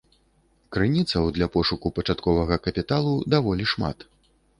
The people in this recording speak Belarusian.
Крыніцаў для пошуку пачатковага капіталу даволі шмат.